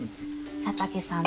佐竹さん